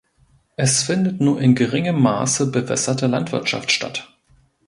Es findet nur in geringem Maße bewässerte Landwirtschaft statt.